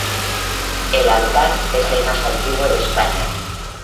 El altar es el más antiguo de España.